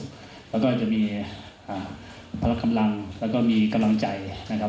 ก็จะมีความสุขแล้วก็จะมีพลักษณ์กำลังแล้วก็มีกำลังใจนะครับ